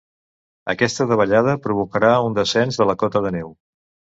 Aquesta davallada provocarà un descens de la cota de neu.